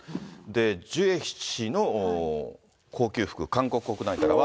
ジュエ氏の高級服、韓国国内からは。